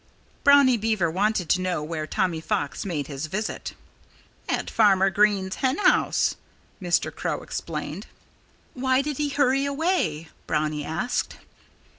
Brownie Beaver wanted to know where Tommy Fox made his visit. "At Farmer Green's hen house," Mr. Crow explained. "Why did he hurry away?" Brownie asked.